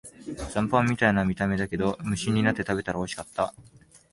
残飯みたいな見た目だけど、無心になって食べたらおいしかった